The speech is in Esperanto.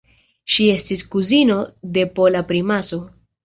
Ŝi estis kuzino de pola primaso.